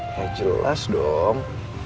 ya jelas dong